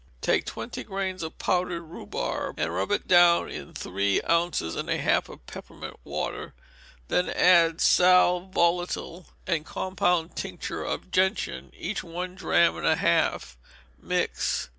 Take twenty grains of powdered rhubarb, and rub it down in three ounces and a half of peppermint water, then add sal volatile and compound tincture of gentian, each one drachm and a half; mix.